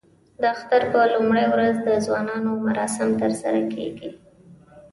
د اختر په لومړۍ ورځ د ځوانانو مراسم ترسره کېږي.